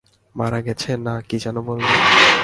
মারা গেছে না কি যেনো বলল!